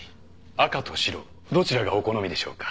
赤と白どちらがお好みでしょうか？